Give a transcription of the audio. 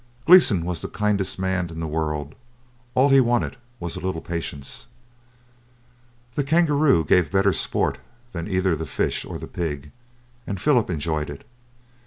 Gleeson was the kindest man in the world; all he wanted was a little patience. The kangaroo gave better sport than either the fish or the pig, and Philip enjoyed it.